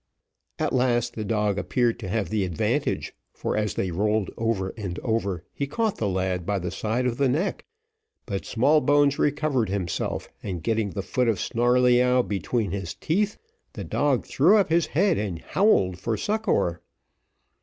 At last, the dog appeared to have the advantage, for as they rolled over and over, he caught the lad by the side of the neck; but Smallbones recovered himself, and getting the foot of Snarleyyow between his teeth, the dog threw up his head and howled for succour.